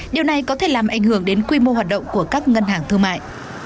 điều này có thể làm ảnh hưởng đến quy mô hoạt động của các ngân hàng thương mại